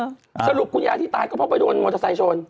สรุปคุณยายที่ตายก็เพราะไปโดนมอเตอร์ไซค์ชน